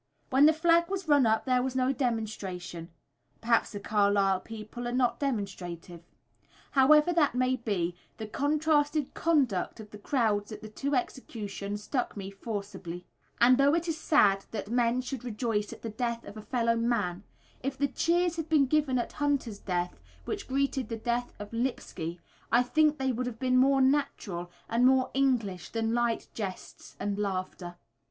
When the flag was run up there was no demonstration, perhaps the Carlisle people are not demonstrative. However that may be, the contrasted conduct of the crowds at the two executions struck me forcibly; and though it is sad that men should rejoice at the death of a fellow man, if the cheers had been given at Hunter's death which greeted the death of Lipski, I think they would have been more natural and more English than light jests and laughter.